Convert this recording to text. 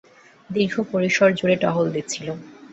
দীর্ঘ-পরিসর জুড়ে টহল দিচ্ছিল?